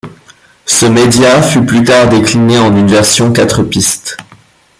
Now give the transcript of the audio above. Ce média fut plus tard décliné en une version quatre pistes.